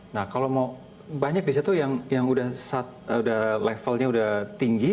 nah kalau mau banyak disitu yang udah levelnya udah tinggi